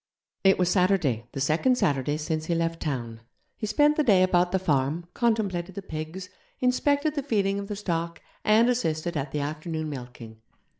It was Saturday, the second Saturday since he left town. He spent the day about the farm, contemplated the pigs, inspected the feeding of the stock, and assisted at the afternoon milking.